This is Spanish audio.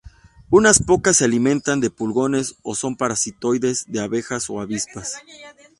Unas pocas se alimentan de pulgones o son parasitoides de abejas o avispas.